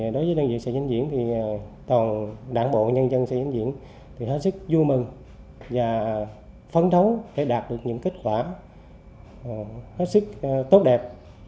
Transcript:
đối với đơn vị xã dân diễn thì toàn đảng bộ nhân dân xã dân diễn thì hết sức vui mừng và phấn thấu để đạt được những kết quả hết sức tốt đẹp